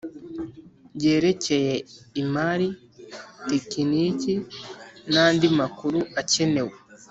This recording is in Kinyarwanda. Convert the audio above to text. yerekeye imari tekiniki n andi makuru akenewe